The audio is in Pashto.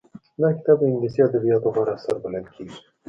دا کتاب د انګلیسي ادبیاتو غوره اثر بلل کېږي